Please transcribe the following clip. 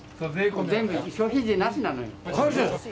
全部消費税なしなのよ。